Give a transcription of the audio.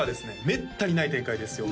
めったにない展開ですよ